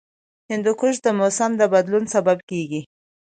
هندوکش د موسم د بدلون سبب کېږي.